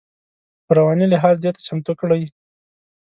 په رواني لحاظ دې ته چمتو کړي.